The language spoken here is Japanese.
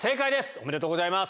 おめでとうございます。